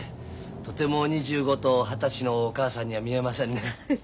とても２５と二十歳のお母さんには見えませんね。